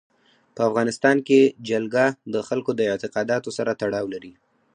په افغانستان کې جلګه د خلکو د اعتقاداتو سره تړاو لري.